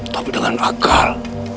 tapi dengan akal